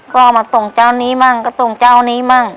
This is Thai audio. ก็เอามาส่งเจ้านี้บ้างก็ส่งเจ้านี้บ้าง